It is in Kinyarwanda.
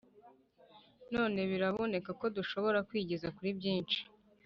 none biraboneka ko dushobora kwigeza kuri byinshi